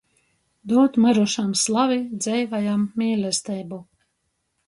Dūd myrušam slavi, dzeivajam mīlesteibu.